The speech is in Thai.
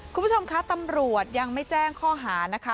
คุณผู้ชมคะตำรวจยังไม่แจ้งข้อหานะคะ